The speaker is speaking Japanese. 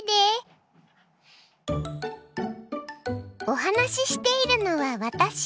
お話ししているのは私。